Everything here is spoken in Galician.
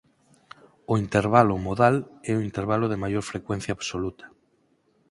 O intervalo modal é o intervalo de maior frecuencia absoluta.